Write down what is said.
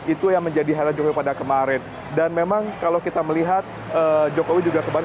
itu yang menjadi hela jokowi pada kemarin dan memang kalau kita melihat jokowi juga kemarin